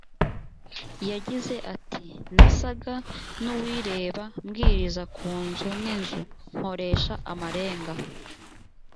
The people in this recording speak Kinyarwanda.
yagize ati nasaga n uwireba mbwiriza ku nzu n inzu nkoresha amarenga